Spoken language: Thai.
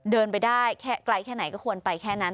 เดินไปได้แค่ไกลแค่ไหนก็ควรไปแค่นั้น